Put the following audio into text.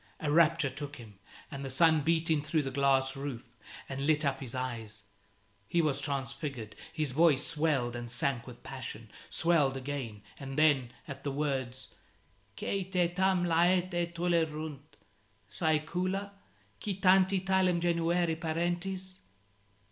A rapture took him, and the sun beat in through the glass roof, and lit up his eyes. He was transfigured; his voice swelled and sank with passion, swelled again, and then, at the words "Quae te tam laeta tulerunt Saecula? Qui tanti talem genuere parentes?"